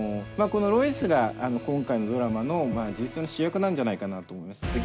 このロイスが今回のドラマの事実上の主役なんじゃないかなとも思います。